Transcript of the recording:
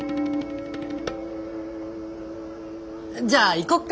じゃあ行こっか！